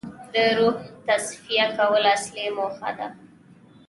د روح تصفیه کول اصلي موخه ده.